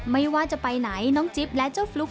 ไม่ว่าจะไปไหนน้องจิ๊บและเจ้าฟลุ๊ก